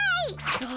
わ！